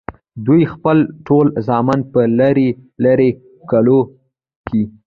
دوي خپل ټول زامن پۀ لرې لرې کلو کښې